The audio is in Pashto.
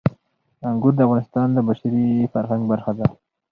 انګور د افغانستان د بشري فرهنګ برخه ده.